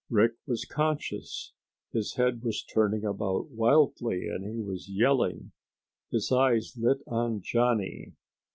Rick was conscious. His head was turning about wildly and he was yelling. His eyes lit on Johnny.